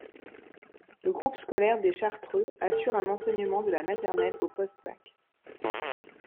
Le groupe scolaire des Chartreux assure un enseignement de la maternelle au post-bac.